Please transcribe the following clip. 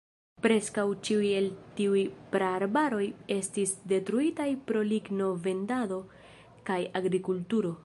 Preskaŭ ĉiuj el tiuj praarbaroj estis detruitaj pro ligno-vendado kaj agrikulturo.